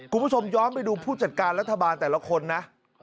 คุณผู้ชมย้อนไปดูผู้จัดการรัฐบาลแต่ละคนนะ